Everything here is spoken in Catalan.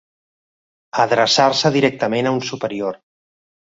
Adreçar-se directament a un superior.